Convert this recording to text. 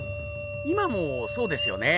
今もそうですよね？